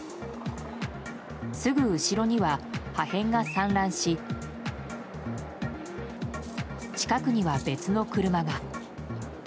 すぐ後ろには、破片が散乱し近くには別の車が。